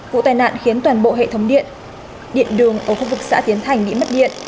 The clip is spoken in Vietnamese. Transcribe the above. vụ tai nạn khiến toàn bộ hệ thống điện điện đường ở khu vực xã tiến thành bị mất điện